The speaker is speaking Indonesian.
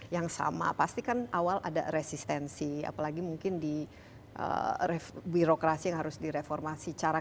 yang sama pastikan awal ada resistensi apalagi mungkin di ref birokrasi harus direformasi cara